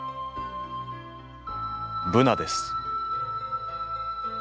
ブナです。